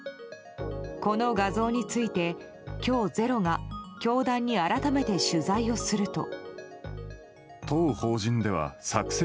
この画像について今日「ｚｅｒｏ」が教団に改めて取材をすると。